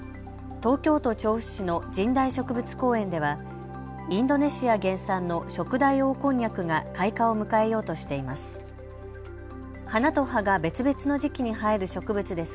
東京都調布市の神代植物公園ではインドネシア原産のショクダイオオコンニャクが開花を迎えようとしています。